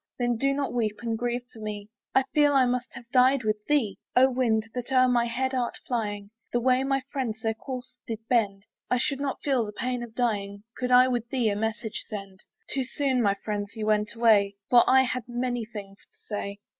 Then do not weep and grieve for me; I feel I must have died with thee. Oh wind that o'er my head art flying, The way my friends their course did bend, I should not feel the pain of dying, Could I with thee a message send. Too soon, my friends, you went away; For I had many things to say.